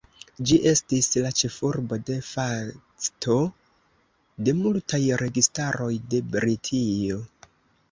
Ĝi estis la ĉefurbo "de facto" de multaj registaroj de Britio.